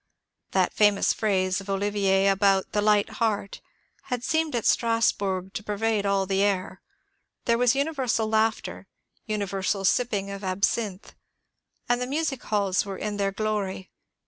That famous phrase of Olivier about the ^* light heart'* had seemed at Strasburg to pervade all the air. There was universal laughter, universal sipping of absinthe, and the music halls were in their glory.